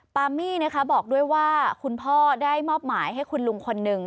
ปามี่นะคะบอกด้วยว่าคุณพ่อได้มอบหมายให้คุณลุงคนหนึ่ง